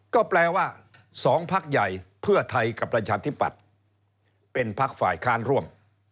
ก็แปลว่า๒พักใหญ่เพื่อไทยกับประชาธิปัตย์เป็นพักฝ่ายค้านร่วม